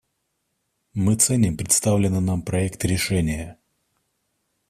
Мы ценим представленный нам проект решения.